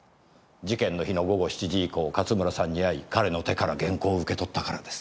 事件の日の午後７時以降勝村さんに会い彼の手から原稿を受け取ったからです。